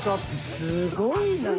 すごいなぁ。